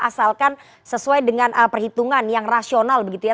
asalkan sesuai dengan perhitungan yang rasional begitu ya